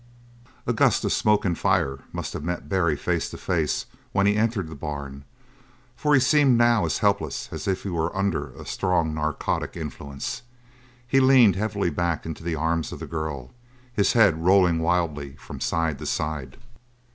A gust of smoke and fire must have met Barry face to face when he entered the barn, for he seemed now as helpless as if he were under a strong narcotic influence. He leaned heavily back into the arms of the girl, his head rolling wildly from side to side.